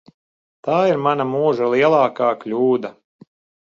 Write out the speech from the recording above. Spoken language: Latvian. Tā ir mana mūža lielākā kļūda.